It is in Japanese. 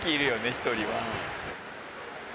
１人は。